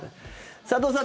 佐藤さん